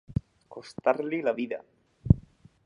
Costar-li la vida.